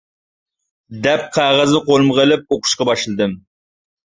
دەپ قەغەزنى قولۇمغا ئېلىپ، ئوقۇشقا باشلىدىم.